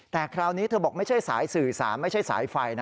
แต่คราวนี้เธอบอกไม่ใช่สายสื่อสารไม่ใช่สายไฟนะ